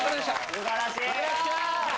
素晴らしい。